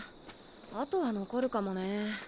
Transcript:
痕は残るかもね。